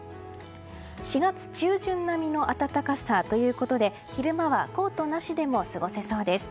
４月中旬並みの暖かさということで昼間はコートなしでも過ごせそうです。